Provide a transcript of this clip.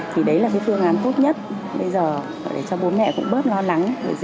thì đấy là cái phương án tốt nhất bây giờ để cho bố mẹ cũng bớt lo lắng